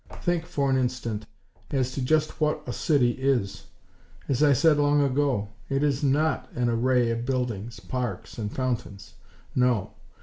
Think, for an instant, as to just what a city is. As I said long ago, it is not an array of buildings, parks and fountains. No.